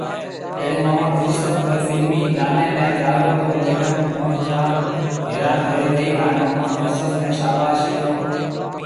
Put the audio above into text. جڏي محمد يوسف اوئي فلمي گاني ني گايو تو ميڊم نور جهان حيران هوئي گئي هان محمد يوسف ني شاباش ڪهيو